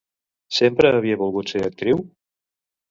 Sempre havia volgut ser actriu?